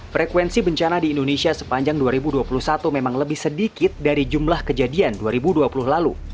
frekuensi bencana di indonesia sepanjang dua ribu dua puluh satu memang lebih sedikit dari jumlah kejadian dua ribu dua puluh lalu